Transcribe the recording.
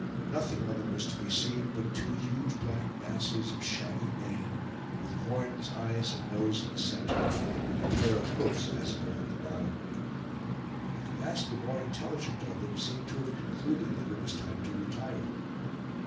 Nothing of them was to be seen but two huge black masses of shaggy mane, with horns, eyes, and nose in the center, and a pair of hoofs visible at the bottom. At last the more intelligent of them seemed to have concluded that it was time to retire.